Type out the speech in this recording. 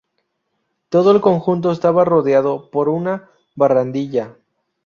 Todo el conjunto estaba rodeado por una barandilla.